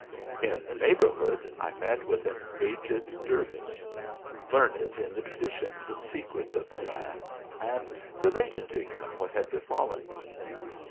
" In the neighbourhood I met with an aged dervise, learned in the traditions and secrets of e land, and related to him what had befallen me.